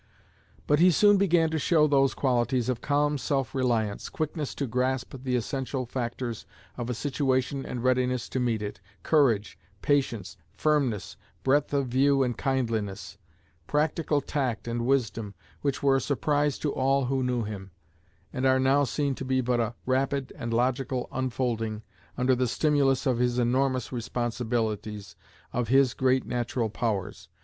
But he soon began to show those qualities of calm self reliance, quickness to grasp the essential factors of a situation and readiness to meet it, courage, patience, firmness, breadth of view and kindliness, practical tact and wisdom, which were a surprise to all who knew him, and are now seen to be but a rapid and logical unfolding, under the stimulus of his enormous responsibilities, of his great natural powers.